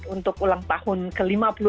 untuk ulang tahun ke lima puluh delapan